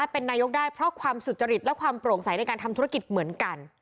เพราะความสุจริตและความโปร่งใสในการทำธุรกิจเหมือนกัน